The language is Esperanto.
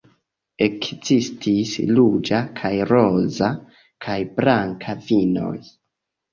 Ekzistis ruĝa kaj roza kaj blanka vinoj.